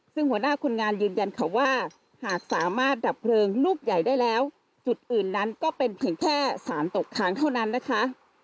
ซึ่งหัวหน้าคนงานยืนยันค่ะว่าหากสามารถดับเพลิงลูกใหญ่ได้แล้วจุดอื่นนั้นก็เป็นเพียงแค่สารตกค้างเท่านั้นนะคะ